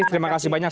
terima kasih banyak